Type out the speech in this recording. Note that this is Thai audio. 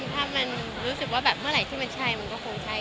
ถ้ามันรู้สึกว่าแบบเมื่อไหร่ที่มันใช่มันก็คงใช่